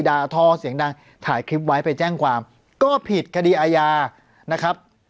ท่อเสียงดังถ่ายคลิปไว้ไปแจ้งความก็ผิดคดีอาญานะครับ